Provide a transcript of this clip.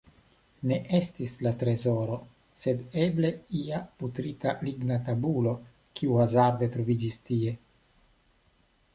Ne estis la trezoro, sed eble ia putrita ligna tabulo, kiu hazarde troviĝis tie.